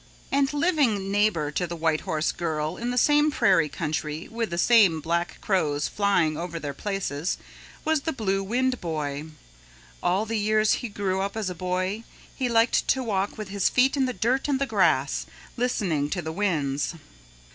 And living neighbor to the White Horse Girl in the same prairie country, with the same black crows flying over their places, was the Blue Wind Boy. All the years he grew up as a boy he liked to walk with his feet in the dirt and the grass listening to the winds.